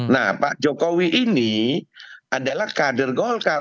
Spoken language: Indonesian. nah pak jokowi ini adalah kader golkar